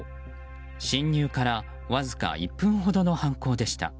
侵入からわずか１分ほどの犯行でした。